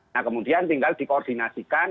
nah kemudian tinggal dikoordinasikan